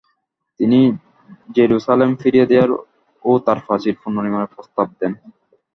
তিনি জেরুসালেম ফিরিয়ে দেয়ার ও তার প্রাচীর পুনর্নির্মাণের প্রস্তাব দেন।